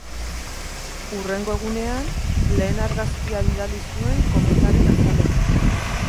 Hurrengo egunean, lehen argazkia bidali zuen kometaren azaletik.